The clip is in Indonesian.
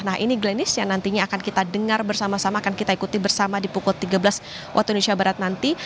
nah ini glenish yang nantinya akan kita dengar bersama sama akan kita ikuti bersama di pukul tiga belas waktu indonesia barat nanti